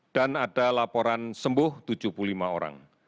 dan ada laporan sembuh tujuh puluh lima orang